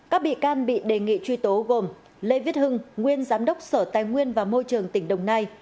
các bị can bị đề nghị truy tố gồm lê viết hưng nguyên giám đốc sở tài nguyên và môi trường tỉnh đồng nai